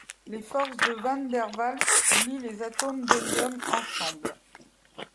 Les forces de van der Waals lient les atomes d'hélium ensemble.